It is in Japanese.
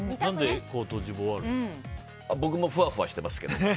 僕もふわふわしてますけど。